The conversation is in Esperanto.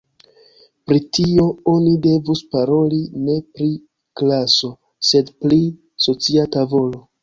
Pri tio oni devus paroli ne pri klaso, sed pri socia tavolo.